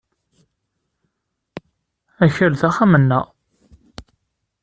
Akal d axxam-nneɣ.